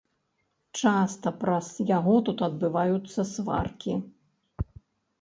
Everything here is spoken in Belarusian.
Часта праз яго тут адбываюцца сваркі.